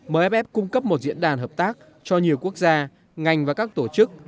mff cung cấp một diễn đàn hợp tác cho nhiều quốc gia ngành và các tổ chức